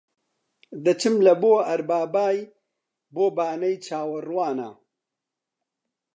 دەچم لە بۆ ئەڕبابای بۆ بانەی چاوەڕوانە